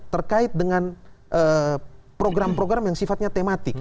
terkait dengan program program yang sifatnya tematik